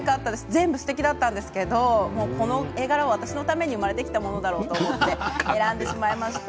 全部すてきだったんですけどこの絵柄は私のために生まれてきたものだろうと思って選んでしまいました。